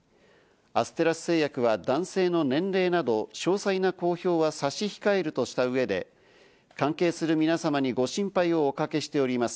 アステラス製薬は男性の年齢など詳細な公表は差し控えるとした上で関係する皆様にご心配をおかけしております。